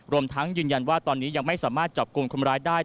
รวมทั้งยืนยันว่าตอนนี้ยังไม่สามารถจับกลุ่มคนร้ายได้